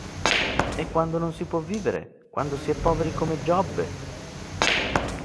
E quando non si può vivere, quando si è poveri come Giobbe?